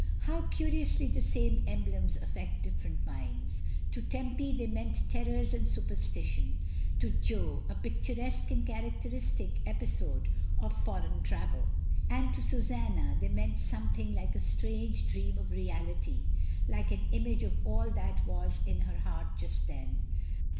How curi ously the same emblems affect different minds. To Tempy they meant terrors and superstition; to Jo a picturesque and characteristic episode of foreign travel; and to Susanna they meant something like a strange dream of reality, like an image of all that was in her heart just then.